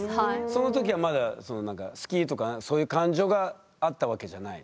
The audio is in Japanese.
その時はまだ好きとかそういう感情があったわけじゃない。